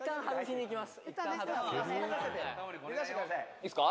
「いいですか？」